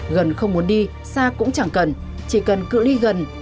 gần không muốn đi xa cũng chẳng cần chỉ cần cự ly gần để dễ bấm nhạc số